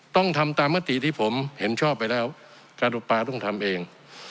ต้องทำตามมติที่ผมเห็นชอบไปแล้วการอุปาต้องทำเอง